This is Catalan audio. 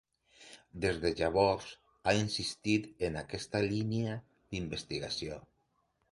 Des de llavors, ha insistit en aquest línia d'investigació.